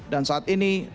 dan saat ini